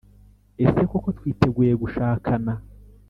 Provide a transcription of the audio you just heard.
Ese koko twiteguye gushakana